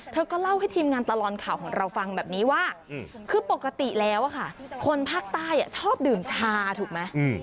เธอก็เล่าให้ทีมงานตลอดข่าวของเราฟังแบบนี้ว่าคือปกติแล้วค่ะคนภาคใต้ชอบดื่มชาถูกไหม